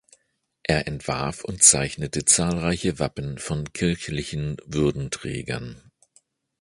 Er entwarf und zeichnete zahlreiche Wappen von kirchlichen Würdenträgern.